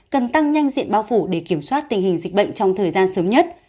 cần tăng nhanh diện bao phủ để kiểm soát tình hình dịch bệnh trong thời gian sớm nhất